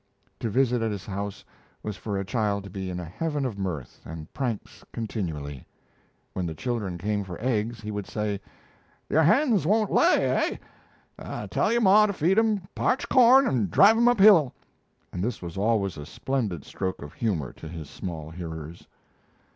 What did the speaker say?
To visit at his house was for a child to be in a heaven of mirth and pranks continually. When the children came for eggs he would say: "Your hens won't lay, eh? Tell your maw to feed 'em parched corn and drive 'em uphill," and this was always a splendid stroke of humor to his small hearers.